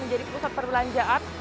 menjadi pusat perbelanjaan